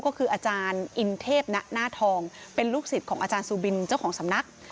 ก็คืออาจารย์อินเทพณหน้าทองเป็นลูกศิษย์ของอาจารย์ซูบินเจ้าของสำนัก